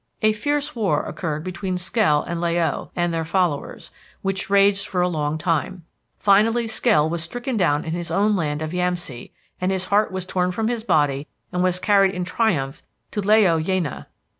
"A fierce war occurred between Skell and La o and their followers, which raged for a long time. Finally Skell was stricken down in his own land of Yamsay and his heart was torn from his body and was carried in triumph to La o Yaina.